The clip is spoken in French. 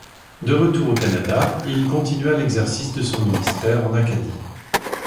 De retour au Canada, il continua l'exercice de son ministère en Acadie.